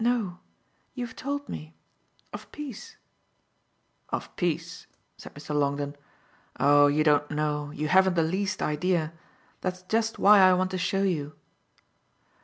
"No you've told me. Of peace." "Of peace," said Mr. Longdon. "Oh you don't know you haven't the least idea. That's just why I want to show you."